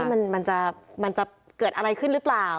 มันจะเกิดอะไรขึ้นหรือเปล่า